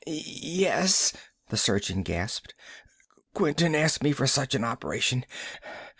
"Yes," the surgeon gasped. "Quinton asked me for such an operation.